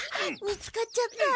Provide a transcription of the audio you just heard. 見つかっちゃった。